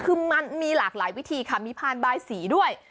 คือมันมีหลากหลายวิธีค่ะมีพานบายสีด้วย